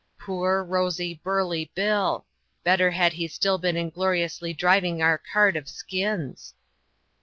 Poor, rosy, burly Bill! better had he still been ingloriously driving our cart of skins.